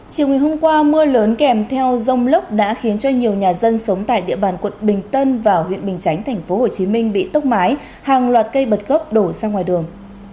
chiều ngày hôm qua mưa lớn kèm theo rông lốc đã khiến cho nhiều nhà dân sống tại địa bàn quận bình tân và huyện bình chánh tp hcm bị tốc mái hàng loạt cây bật gốc đổ ra ngoài đường